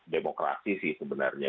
demokrasi sih sebenarnya